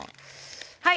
はい！